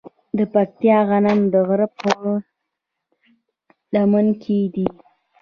د پکتیا غنم د غره په لمن کې دي.